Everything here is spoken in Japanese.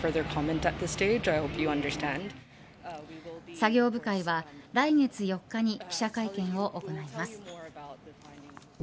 作業部会は来月４日に記者会見を行います。